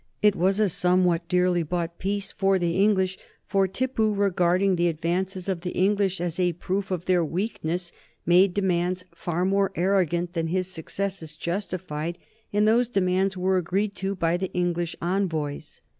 It was a somewhat dearly bought peace for the English, for Tippu, regarding the advances of the English as a proof of their weakness, made demands far more arrogant than his successes justified, and those demands were agreed to by the English envoys.